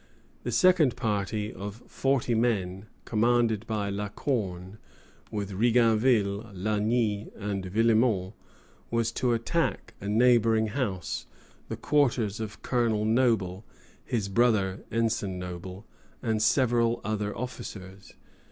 The second party, of forty men, commanded by La Corne, with Riganville, Lagny, and Villemont, was to attack a neighboring house, the quarters of Colonel Noble, his brother, Ensign Noble, and several other officers.